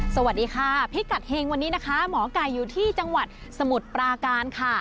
สวัสดีค่ะพิกัดเฮงวันนี้นะคะหมอไก่อยู่ที่จังหวัดสมุทรปราการค่ะ